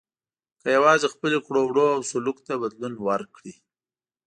که یوازې خپلو کړو وړو او سلوک ته بدلون ورکړي.